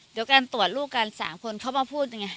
เดี๋ยวการตรวจลูกการสามคนเขามาพูดอย่างไง